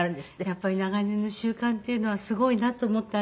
やっぱり長年の習慣っていうのはすごいなと思ったんですけど。